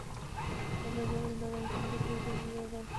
پابندي غرونه د افغانستان د طبیعي زیرمو یوه برخه ده.